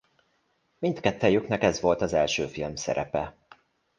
Mindkettejüknek ez volt az első filmszerepe.